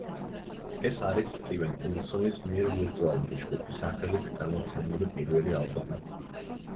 ეს არის სტივენ უილსონის მიერ ვირტუალური ჯგუფის სახელით გამოცემული პირველი ალბომი.